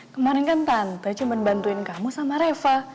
kemarin kan tante cuma bantuin kamu sama reva